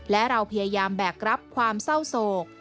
และเราพยายามแบกรับความเศร้าโศก